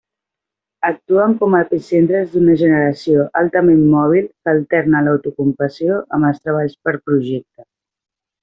Actuen com a epicentres d'una generació altament mòbil que alterna l'autoocupació amb els treballs per projecte.